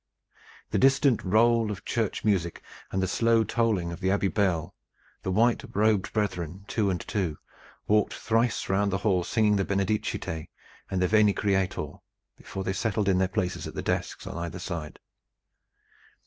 The distant roll of church music and the slow tolling of the Abbey bell; the white robed brethren, two and two, walked thrice round the hall singing the "Benedicite" and the "Veni, Creator" before they settled in their places at the desks on either side.